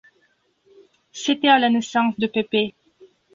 C’était à la naissance de Pepe...